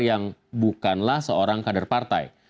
yang bukanlah seorang kader partai